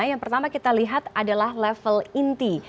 yang pertama kita lihat adalah level inti